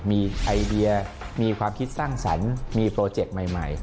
มีไอเดียมีความคิดสร้างสรรค์มีโปรเจคใหม่